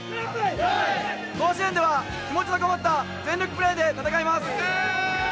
甲子園では気持ちのこもった全力プレーで戦いたいと思います。